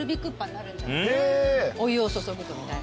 お湯を注ぐとみたいな。